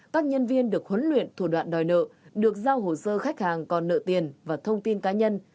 các nhân viên được huấn luyện thủ đoạn đòi nợ được giao hồ sơ khách hàng còn nợ tiền và thông tin cá nhân